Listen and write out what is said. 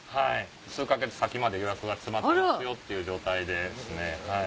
数か月先まで予約が詰まってますよっていう状態です。